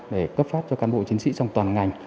để cấp phát cho cán bộ chiến sĩ trong toàn ngành